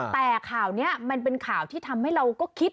แต่ข่าวนี้มันเป็นข่าวที่ทำให้เราก็คิด